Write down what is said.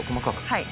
はい。